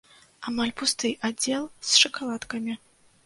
Амаль пусты аддзел з шакаладкамі.